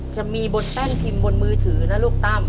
จะมีบนแป้นพิมพ์บนมือถือนะลูกตั้ม